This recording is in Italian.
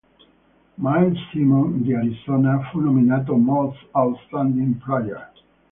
Miles Simon di Arizona fu nominato Most Outstanding Player.